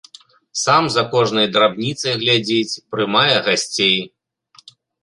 Сам за кожнай драбніцай глядзіць, прымае гасцей.